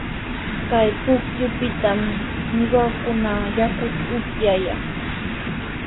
Kay pukyupitami ñuqakuna yakuta upuyaa.